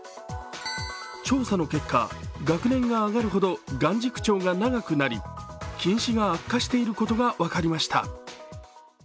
調査の結果、学年が上がるほど眼軸長が長くなり近視が悪化していることが分かりました。